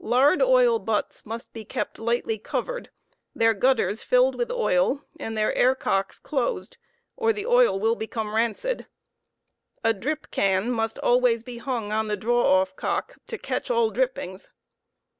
Lard oil butts must be kept lightly covered, their gutters filled with oil, and their air cocks dosed, or the oil will become rancid; A drip can must always be hung on the draw off cock to catch all drippings.